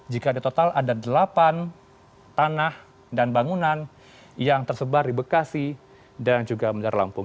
jika di total ada delapan tanah dan bangunan yang tersebar di bekasi dan juga bandar lampung